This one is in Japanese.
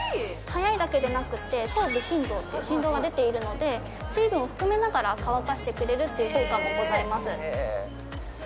早いだけでなくて超・微振動っていう振動が出ているので水分を含めながら乾かしてくれるっていう効果もございます